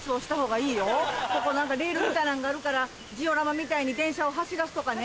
ここ何かレールみたいなんがあるからジオラマみたいに電車を走らすとかね。